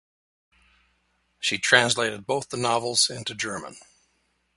She translated both of the novels into German.